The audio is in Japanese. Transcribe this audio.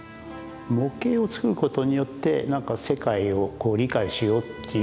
模型を作ることによって何か世界をこう理解しようという。